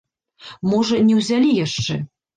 Можа, не ўзялі яшчэ.